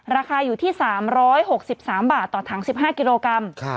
ราคาอยู่ที่๓๖๓บาทต่อถัง๑๕กิโลกรัม